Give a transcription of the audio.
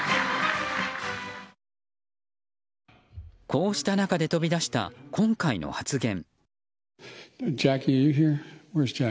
こうした中で飛び出した今回の発言。